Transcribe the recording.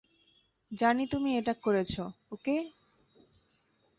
জানি তুমি এটা করেছ, ওকে?